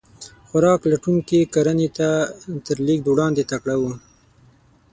خوراک لټونکي کرنې ته تر لېږد وړاندې تکړه وو.